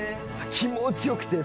気持ち良くて。